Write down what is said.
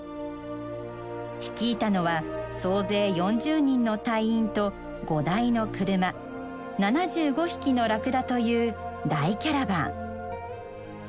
率いたのは総勢４０人の隊員と５台の車７５匹のラクダという大キャラバン。